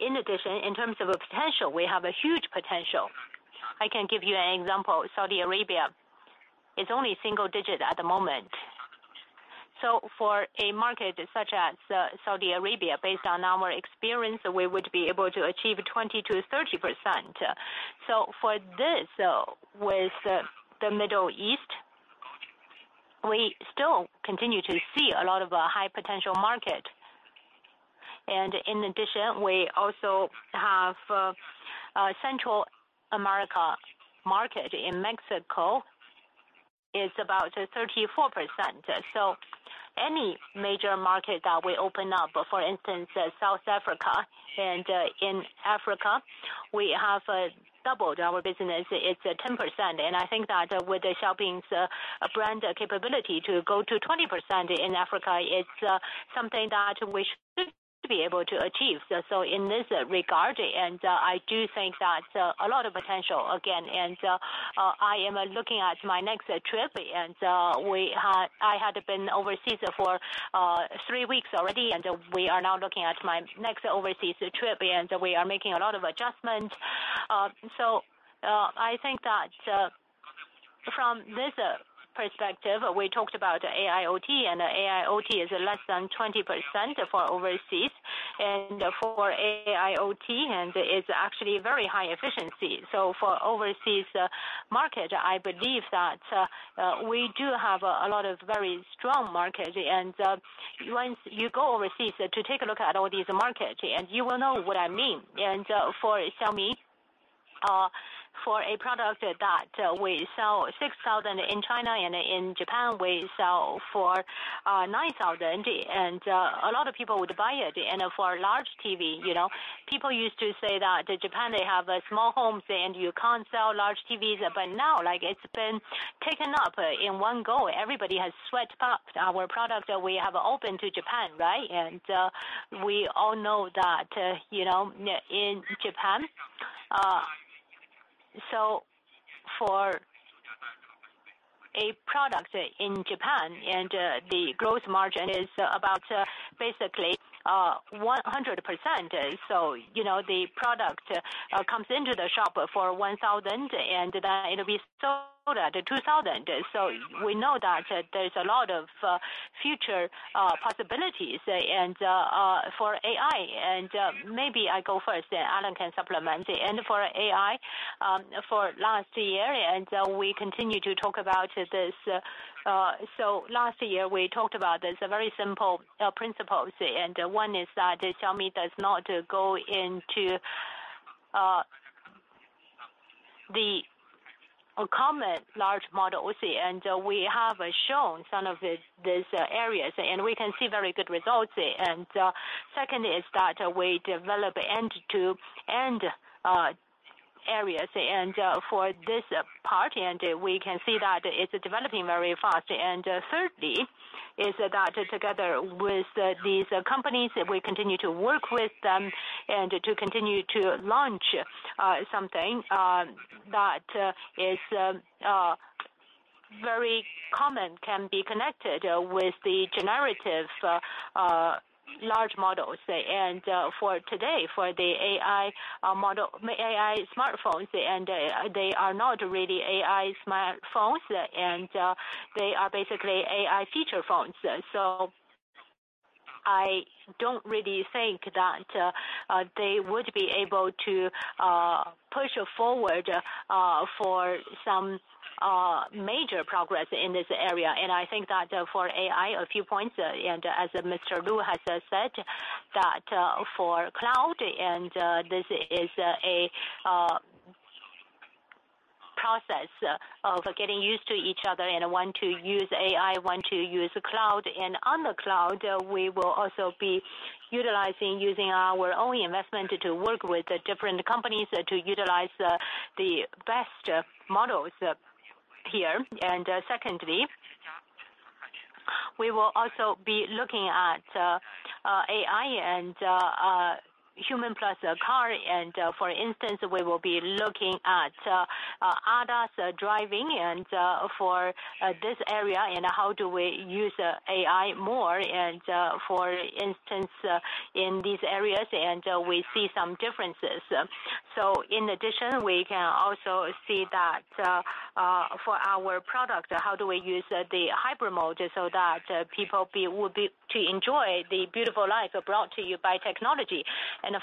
In addition, in terms of potential, we have a huge potential. I can give you an example. Saudi Arabia is only single digit at the moment. So for a market such as Saudi Arabia, based on our experience, we would be able to achieve 20%-30%. So for this, with the Middle East, we still continue to see a lot of high potential market. In addition, we also have Central America market. In Mexico, it's about 34%. So any major market that we open up, for instance, South Africa, and in Africa, we have doubled our business. It's 10%, and I think that with Xiaomi's brand capability to go to 20% in Africa, it's something that we should be able to achieve. So in this regard, I do think that a lot of potential again, and I am looking at my next trip, and I had been overseas for three weeks already, and we are now looking at my next overseas trip, and we are making a lot of adjustments. So, I think that from this perspective, we talked about AIoT, and AIoT is less than 20% for overseas and for AIoT, and it's actually very high efficiency. So for overseas market, I believe that we do have a lot of very strong market. And for Xiaomi, for a product that we sell for 6,000 in China and in Japan, we sell for 9,000, and a lot of people would buy it, and for large TV, you know? People used to say that in Japan, they have small homes, and you can't sell large TVs. But now, like, it's been taken up in one go. Everybody has switched up our product that we have opened to Japan, right? And, we all know that, you know, in Japan, so for a product in Japan, and, the gross margin is about, basically, 100%. So, you know, the product, comes into the shop for 1,000, and then it'll be sold at 2,000. So we know that there's a lot of, future, possibilities. And, for AI, and, maybe I go first, then Alan can supplement. And for AI, for last year, and we continue to talk about this. So last year, we talked about this, a very simple, principles, and one is that Xiaomi does not go into, the common large models, and we have shown some of these, these areas, and we can see very good results. And, secondly, we develop end-to-end areas, and for this part, we can see that it's developing very fast. And thirdly, together with these companies, we continue to work with them and continue to launch something that is very common, can be connected with the generative large models. And, for today, for the AI model AI smartphones, and they are not really AI smartphones, and they are basically AI feature phones. So I don't really think that they would be able to push forward for some major progress in this area. And I think that for AI, a few points, and as Mr. Lu has said that for cloud, and this is a process of getting used to each other, and one, to use AI, one, to use cloud. And on the cloud, we will also be utilizing, using our own investment to work with the different companies to utilize the best models here. And secondly, we will also be looking at AI and human plus car, and for instance, we will be looking at ADAS driving and for this area, and how do we use AI more and for instance in these areas, and we see some differences. So in addition, we can also see that for our product, how do we use the hybrid mode so that people be, will be to enjoy the beautiful life brought to you by technology.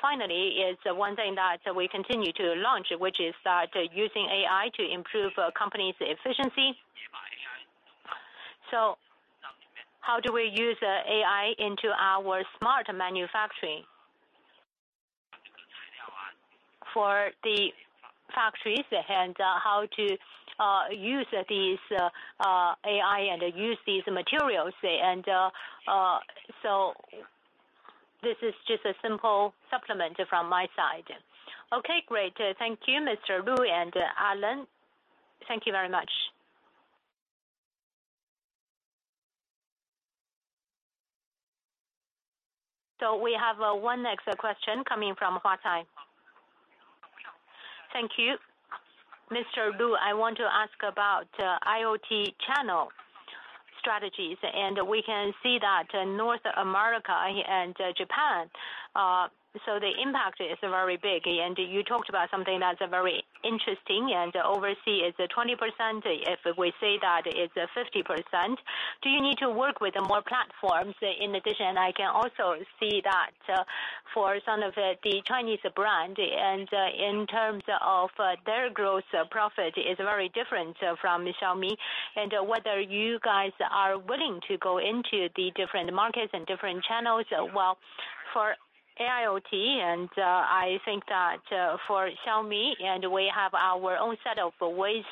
Finally, one thing that we continue to launch, which is that using AI to improve company's efficiency. So how do we use AI into our smart manufacturing? For the factories and how to use these AI and use these materials. So this is just a simple supplement from my side. Okay, great. Thank you, Mr. Lu and Alain. Thank you very much. So we have one next question coming from Huatai. Thank you. Mr. Lu, I want to ask about IoT channel strategies, and we can see that North America and Japan so the impact is very big. And you talked about something that's very interesting, and overseas is 20%. If we say that it's 50%, do you need to work with more platforms? In addition, I can also see that for some of the Chinese brand and in terms of their growth, profit is very different from Xiaomi, and whether you guys are willing to go into the different markets and different channels? Well, for AIoT, I think that for Xiaomi, we have our own set of ways.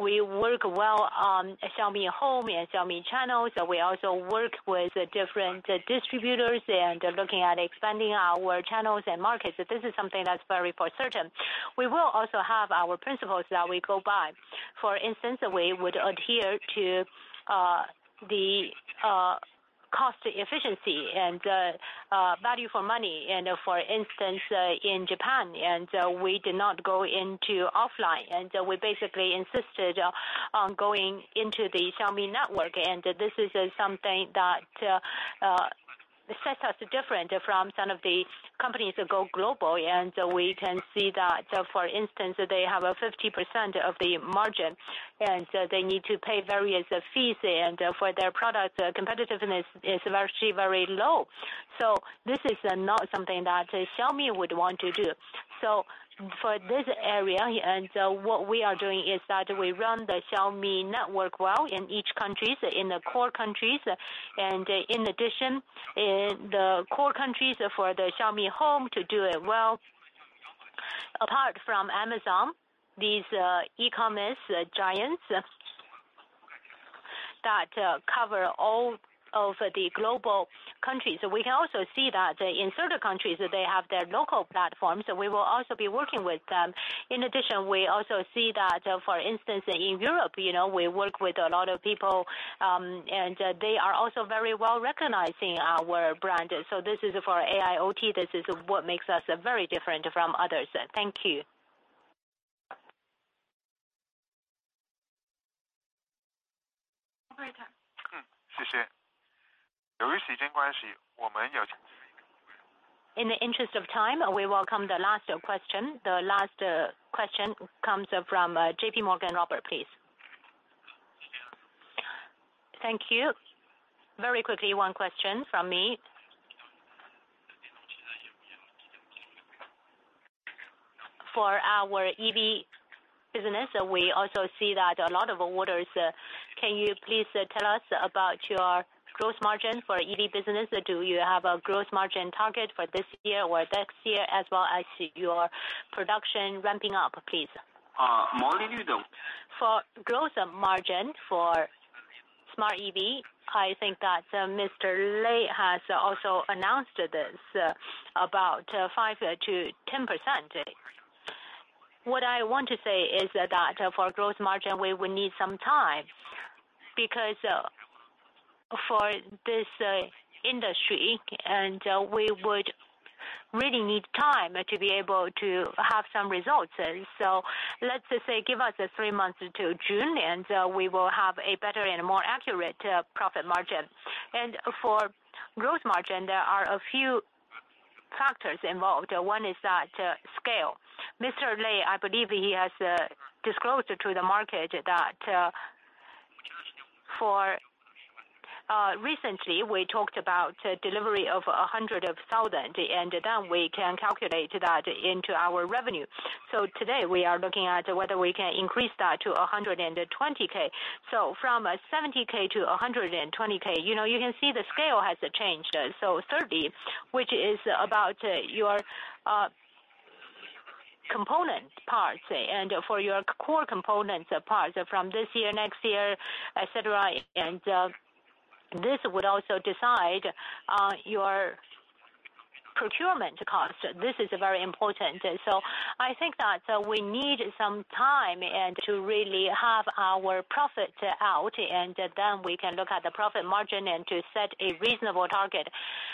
We work well on Xiaomi Home and Xiaomi channels. We also work with different distributors and looking at expanding our channels and markets. This is something that's very for certain. We will also have our principles that we go by. For instance, we would adhere to cost efficiency and value for money and for instance, in Japan, we did not go into offline, and we basically insisted on going into the Xiaomi network. And this is something that sets us different from some of the companies that go global. And we can see that, for instance, they have a 50% of the margin, and they need to pay various fees, and for their product, competitiveness is actually very low. So this is not something that Xiaomi would want to do. So for this area, and what we are doing is that we run the Xiaomi network well in each countries, in the core countries, and in addition, in the core countries for the Xiaomi Home to do well. Apart from Amazon, these e-commerce giants that cover all of the global countries. So we can also see that in certain countries, they have their local platforms, so we will also be working with them. In addition, we also see that, for instance, in Europe, you know, we work with a lot of people, and, they are also very well recognizing our brand. So this is for AIoT. This is what makes us very different from others. Thank you. Operator? In the interest of time, we welcome the last question. The last question comes from J.P. Morgan, Robert, please. Thank you. Very quickly, one question from me. For our EV business, we also see that a lot of orders. Can you please tell us about your gross margin for EV business? Do you have a gross margin target for this year or next year, as well as your production ramping up, please? Margin? For gross margin for smart EV, I think that, Mr. Lei has also announced this, about 5%-10%. What I want to say is that, for gross margin, we will need some time, because, for this, industry, and, we would really need time to be able to have some results. So let's just say, give us 3 months to June, and, we will have a better and more accurate, profit margin. And for gross margin, there are a few factors involved. One is that, scale. Mr. Lei, I believe he has, disclosed to the market that, for, recently we talked about delivery of 100,000, and then we can calculate that into our revenue. So today, we are looking at whether we can increase that to 120,000. So from 70,000 to 120,000, you know, you can see the scale has changed. So 30, which is about, your, component parts and for your core components parts from this year, next year, et cetera, and, this would also decide, your procurement cost. This is very important. So I think that, we need some time and to really have our profit out, and then we can look at the profit margin and to set a reasonable target.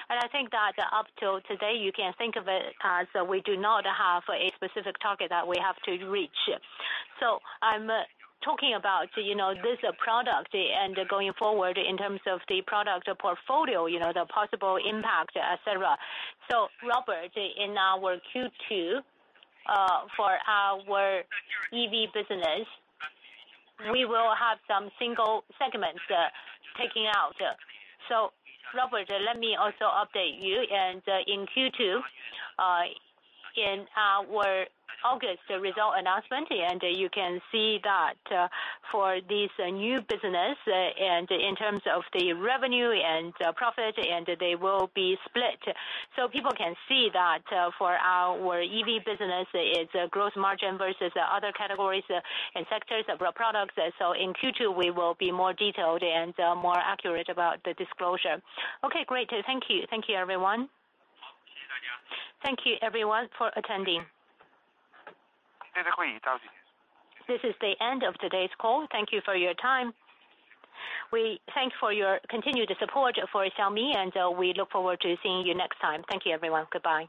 And I think that up till today, you can think of it as we do not have a specific target that we have to reach. So I'm, talking about, you know, this product and going forward in terms of the product portfolio, you know, the possible impact, et cetera. So Robert, in our Q2, for our EV business, we will have some single segments, taking out. So Robert, let me also update you, and in Q2, in our August result announcement, and you can see that, for this new business and in terms of the revenue and profit, and they will be split. So people can see that, for our EV business, its gross margin versus other categories and sectors of our products. So in Q2, we will be more detailed and more accurate about the disclosure. Okay, great. Thank you. Thank you, everyone. Thank you everyone for attending. This is the end of today's call. Thank you for your time. We thank for your continued support for Xiaomi, and we look forward to seeing you next time. Thank you, everyone. Goodbye.